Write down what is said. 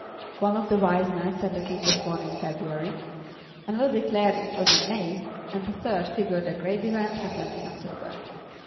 One of the Wise Men said the King was born in February; another declared it was in May, and a third figured the great event happened in October.